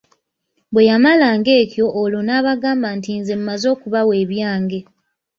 Bweyamalanga ekyo olwo nabagamba nti nze mmaze okubawa ebyange.